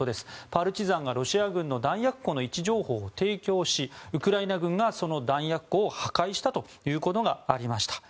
パルチザンがロシア軍の弾薬庫の位置情報を提供しウクライナ軍がその弾薬庫を破壊したということがありました。